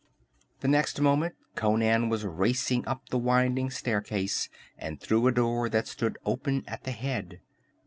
The next moment Conan was racing up the winding staircase, and through a door that stood open at the head.